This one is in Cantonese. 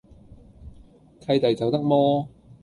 契弟走得摩